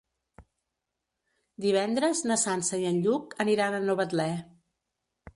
Divendres na Sança i en Lluc aniran a Novetlè.